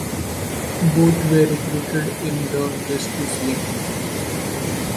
Both were recruited into the Justice League.